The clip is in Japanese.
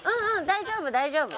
大丈夫大丈夫。